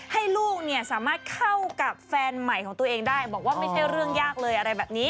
ให้ลูกเนี่ยสามารถเข้ากับแฟนใหม่ของตัวเองได้บอกว่าไม่ใช่เรื่องยากเลยอะไรแบบนี้